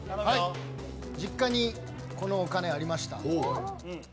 実家にこのお金ありました。